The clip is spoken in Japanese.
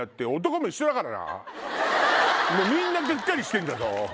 みんながっかりしてんだぞ！